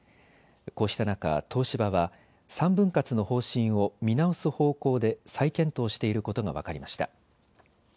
こうした中、東芝は３分割の方針を見直す方向で再検討していることが分かりました。